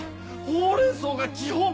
「ほうれんそう」が基本！